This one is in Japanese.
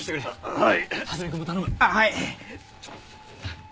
はい！